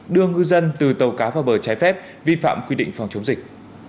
đưa ngư dân từ tàu cá vào bờ trái phép vi phạm quy định phòng chống dịch